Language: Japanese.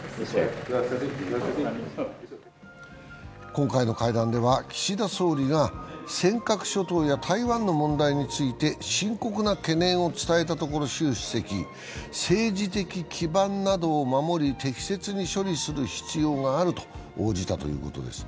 今回の会談では岸田総理が尖閣諸島や台湾の問題について深刻な懸念を伝えたところ習主席、政治的基盤などを守り、適切に処理する必要があると応じたということです。